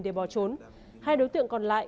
để bỏ trốn hai đối tượng còn lại